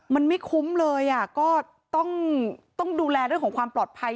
มันไม่คุ้มเลยก็ต้องดูแลเรื่องของความปลอดภัย